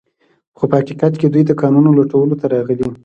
خو په حقیقت کې دوی د کانونو لوټولو ته راغلي